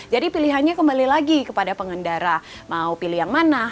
jadi pilihannya kembali lagi kepada pengendara mau pilih yang mana